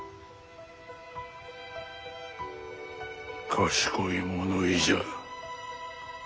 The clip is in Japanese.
賢い物言いじゃ。